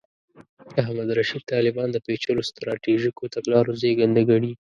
احمد رشید طالبان د پېچلو سټراټیژیکو تګلارو زېږنده ګڼي.